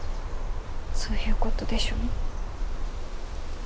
そういう事でしょ？